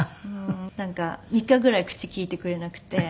なんか３日ぐらい口利いてくれなくて。